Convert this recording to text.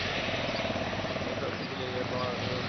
আমি যশোর হইতে ফিরিয়া গিয়া তোমার যথাসাধ্য উপকার করিব!